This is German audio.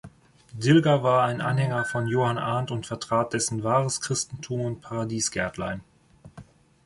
Dilger war ein Anhänger von Johann Arndt und vertrat dessen "Wahres Christentum und Paradiesgärtlein".